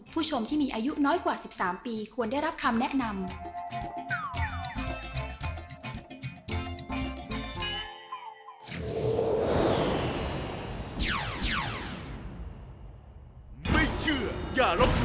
ผู้ชมที่มีอายุน้อยกว่า๑๓ปีควรได้รับคำแนะนำ